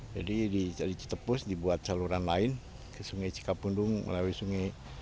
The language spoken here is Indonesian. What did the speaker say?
jadi di cetepus dibuat saluran lain ke sungai cikapundung melalui sungai